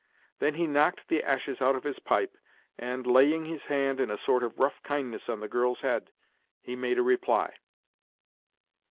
Then he knocked the ashes out of his pipe, and laying his hand in a sort of rough kindness on the girl's head, he made a reply.